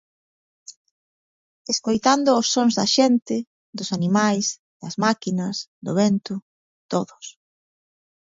Escoitando os sons da xente, dos animais, das máquinas, do vento, todos.